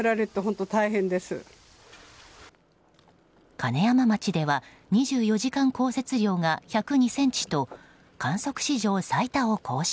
金山町では２４時間降雪量が１０２ｃｍと観測史上最多を更新。